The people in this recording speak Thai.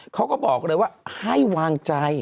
เขาก็บอกเลยว่าให้วางใจ